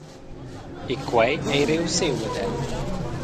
E quei ei reussiu ad el.